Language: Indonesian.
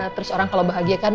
terus orang kalau bahagia kan